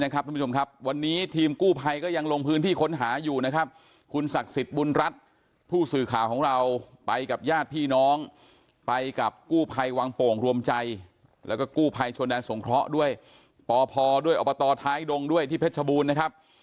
กูภัยวังโป่งรวมใจแล้วก็กูภัยชวนดันสงเคราะห์ด้วยปพด้วยอบตท้ายดงด้วยที่เพชรบูรณ์นะครับ